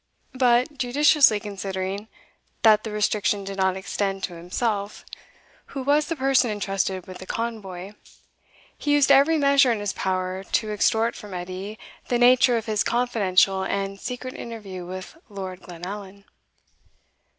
But, judiciously considering that the restriction did not extend to himself, who was the person entrusted with the convoy, he used every measure in his power to extort from Edie the nature of his confidential and secret interview with Lord Glenallan.